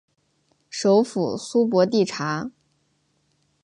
首府苏博蒂察。